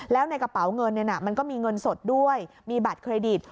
แล้วในกระเป๋าเงินมันก็มีเงินสดด้วยมีบัตรเครดิต